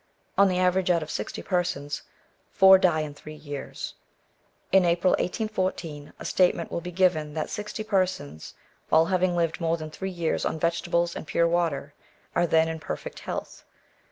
On the average, out of sixty persons, four die in three years. In April, 1814, a statement will be given that sixty persons, all having lived more than three years on vegetables and pure water, are then in perfect health.